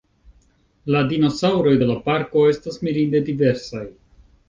La dinosaŭroj de la parko estas mirinde diversaj.